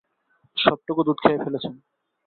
সবটুকু দুধ খেয়ে ফেলেছেন।